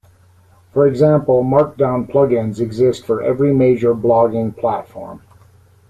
For example, Markdown plugins exist for every major blogging platform.